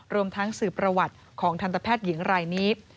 รวมทั้งสื่อประวัติของทันตแพทย์หญิงรายนี้